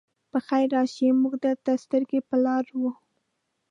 پخير راشئ! موږ درته سترګې په لار وو.